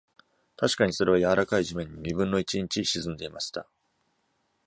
確かにそれは柔らかい地面に二分の一インチ沈んでいました。